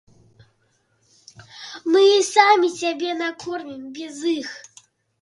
Мы і самі сябе накормім, без іх.